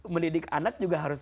menurut saya perempuan harus